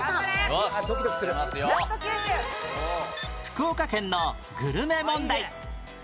福岡県のグルメ問題